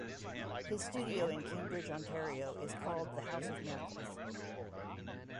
His studio in Cambridge, Ontario is called the House of Miracles.